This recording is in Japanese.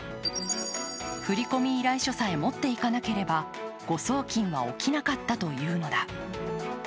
振込依頼書さえ持っていかなければ誤送金は起きなかったというのだ。